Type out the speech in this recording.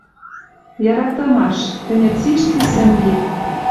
Яратымаш! Тӹньӹ цишти сӹнгет.